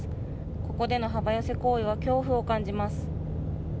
ここでの幅寄せ行為は恐怖を感じます。